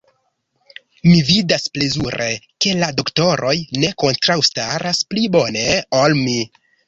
Mi vidas plezure, ke la doktoroj ne kontraŭstaras pli bone ol mi.